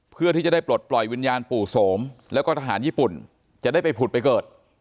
เพื่อที่จะได้ปลดปล่อยวิญญาณปู่โสมแล้วก็ทหารญี่ปุ่นจะได้ไปผุดไปเกิด